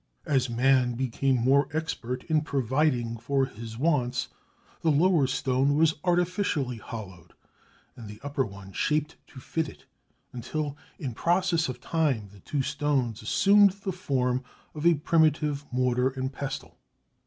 As man became more expert in providing for his wants, the lower stone was artificially hollowed, and the upper one shaped to fit it, until in process of time the two stones assumed the form of a primitive mortar and pestle.